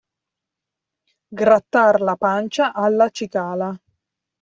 Grattar la pancia alla cicala.